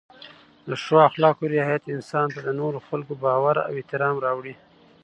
د ښو اخلاقو رعایت انسان ته د نورو خلکو باور او احترام راوړي.